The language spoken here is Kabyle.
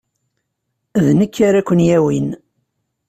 D nekk ara ken-yawin.